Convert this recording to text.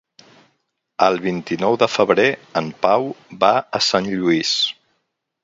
El vint-i-nou de febrer en Pau va a Sant Lluís.